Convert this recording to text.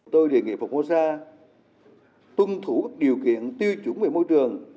tôi đề nghị phongmosa tuân thủ các điều kiện tiêu chuẩn về môi trường